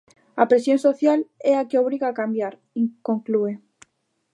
"A presión social é a que obriga a cambiar", conclúe.